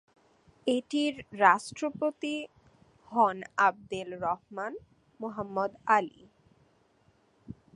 এটির রাষ্ট্রপতি হন আবদেল-রহমান মোহাম্মদ আলি।